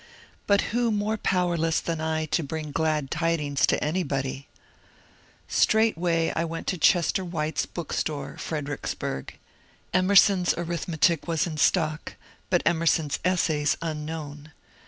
But who more powerless than I to bring glad tidings to anybody 1 Straightway I went to Chester White's bookstore, Freder icksburg. ^* Emerson's Arithmetic " was in stock, but Em erson's Essays unknown.